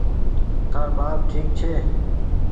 تآر ٻآپ ڇي۔